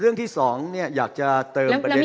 เรื่องที่สองเนี่ยอยากจะเติมประเด็น